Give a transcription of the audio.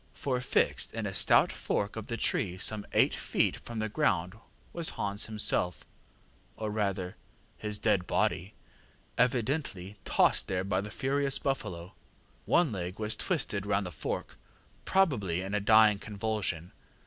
ŌĆ£For fixed in a stout fork of the tree some eight feet from the ground was Hans himself, or rather his dead body, evidently tossed there by the furious buffalo. One leg was twisted round the fork, probably in a dying convulsion.